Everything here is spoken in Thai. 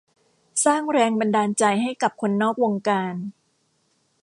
สร้างแรงบันดาลใจให้กับคนนอกวงการ